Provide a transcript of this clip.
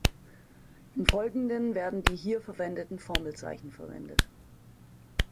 Im Folgenden werden die hier verwendeten Formelzeichen verwendet.